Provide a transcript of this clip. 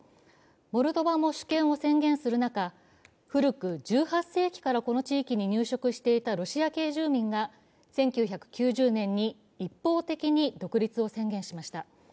モルドバも主権を宣言する中、古く１８世紀からこの地域に入植していたロシア系住民が１９９０年に一方的に独立を宣言しました。